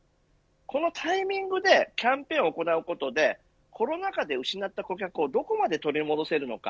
このタイミングでキャンペーンを行うことでコロナ禍で失った顧客をどこまで取り戻せるのか。